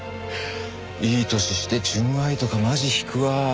いい年して純愛とかマジ引くわ。